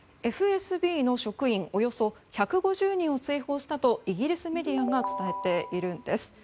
ＦＳＢの職員およそ１５０人を追放したとイギリスメディアが伝えているんです。